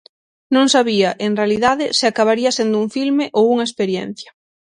Non sabía, en realidade, se acabaría sendo un filme ou unha experiencia.